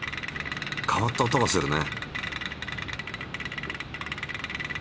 変わった音がするね。